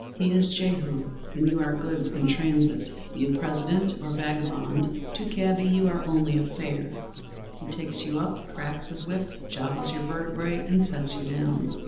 He is Jehu, and you are goods in transit. Be you President or vagabond, to cabby you are only a Fare, he takes you up, cracks his whip, joggles your vertebrae and sets you down.